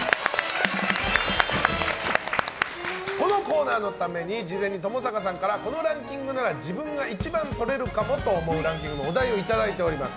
このコーナーのために事前にともさかさんからこのランキングなら自分が一番とれるかもと思うランキングのお題をいただいております。